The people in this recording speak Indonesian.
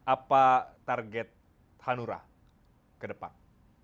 apa target hanura ke depan